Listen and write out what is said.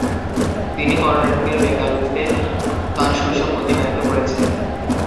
তিনি কর্ণাটকের বেঙ্গালুরুতে তার শৈশব অতিবাহিত করেছেন।